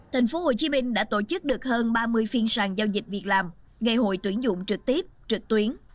tp hcm đã tổ chức được hơn ba mươi phiên sàn giao dịch việc làm ngày hội tuyển dụng trực tiếp trực tuyến